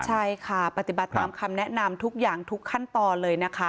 ใช่ค่ะปฏิบัติตามคำแนะนำทุกอย่างทุกขั้นตอนเลยนะคะ